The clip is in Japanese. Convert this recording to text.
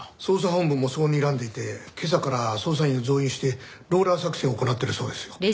捜査本部もそう睨んでいて今朝から捜査員を増員してローラー作戦を行っているそうですよ。